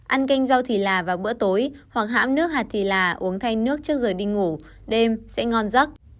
ăn canh rau thì là vào bữa tối hoặc hãm nước hạt thì là uống thay nước trước giờ đi ngủ đêm sẽ ngon giấc